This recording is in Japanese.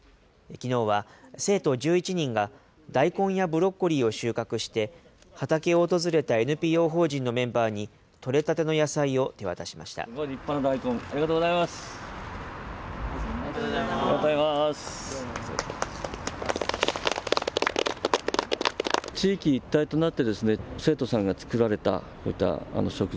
きのうは生徒１１人が、大根やブロッコリーを収穫して、畑を訪れたＮＰＯ法人のメンバーに、取れたての野菜を手渡しました。